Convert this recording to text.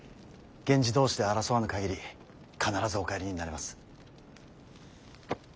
源氏同士で争わぬ限り必ずお帰りになれます。